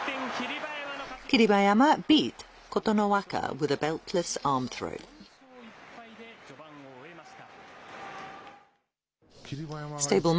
馬山は４勝１敗で、序盤を終えました。